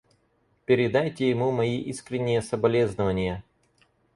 Передайте ему мои искренние соболезнования.